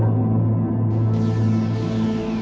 masih kalau problems seperti ini